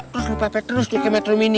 terus lu pepek terus dike metrum ini